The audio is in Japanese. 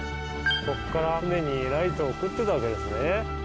ここから船にライト送ってたわけですね。